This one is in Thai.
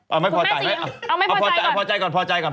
เอาไม่พอใจก่อน